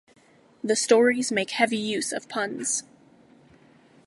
The stories make heavy use of puns.